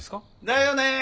だよね。